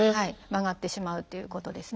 曲がってしまうっていうことですね。